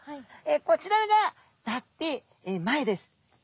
こちらが脱皮前です。